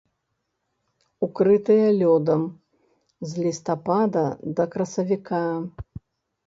Укрытая лёдам з лістапада да красавіка.